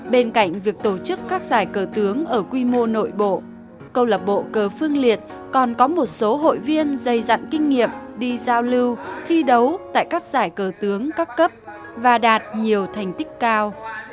bên cạnh việc tổ chức các giải cờ tướng ở quy mô nội bộ câu lạc bộ cờ phương liệt còn có một số hội viên dày dặn kinh nghiệm đi giao lưu thi đấu tại các giải cờ tướng các cấp và đạt nhiều thành tích cao